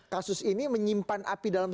kasus ini menyimpan api dalam